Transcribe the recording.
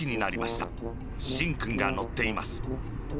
しんくんがのっています。